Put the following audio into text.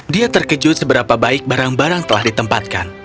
dia terkejut seberapa baik barang barang telah ditempatkan